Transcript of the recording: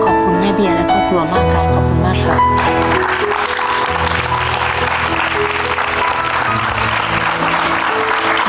ขอบคุณแม่เบียร์และครอบครัวมากครับขอบคุณมากครับ